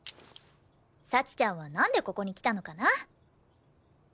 幸ちゃんはなんでここに来たのかな？